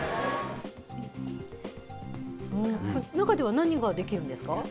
中では何ができるんですか？